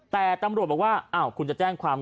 แต่ตำรวจบอกว่าอ้าวคุณจะแจ้งความ